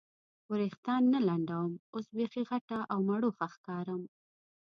وریښتان نه لنډوم، اوس بیخي غټه او مړوښه ښکارم.